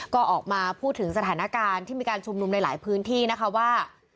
ก็ออกมาพูดถึงสถานการณ์ที่มีการชุมนุมในหลายพื้นที่นะคะว่า